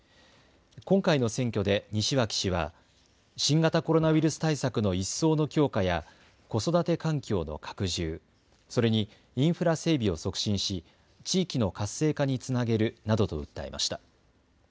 今回の選挙で西脇氏は新型コロナウイルス対策の一層の強化や子育て環境の拡充、それにインフラ整備を促進し地域の活性化につなげるなどと訴えました。